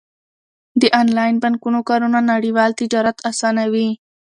د انلاین بانکونو کارونه نړیوال تجارت اسانوي.